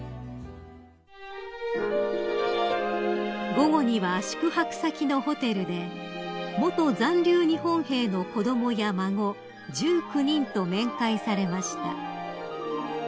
［午後には宿泊先のホテルで元残留日本兵の子供や孫１９人と面会されました］